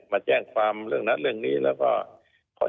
มาแจ้งความเรื่องนั้นเรื่องนี้แล้วก็ขอ